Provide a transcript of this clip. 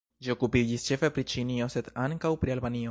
Ĝi okupiĝis ĉefe pri Ĉinio, sed ankaŭ pri Albanio.